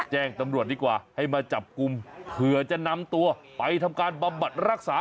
แจ้งตำรวจดีกว่าให้มาจับกลุ่มเผื่อจะนำตัวไปทำการบำบัดรักษา